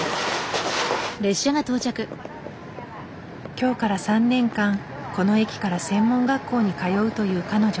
今日から３年間この駅から専門学校に通うという彼女。